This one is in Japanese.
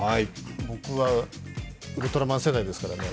僕はウルトラマン世代ですからね。